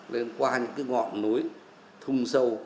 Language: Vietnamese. lên qua những cái ngọn núi thung sâu